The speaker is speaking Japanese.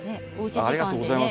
ありがとうございます。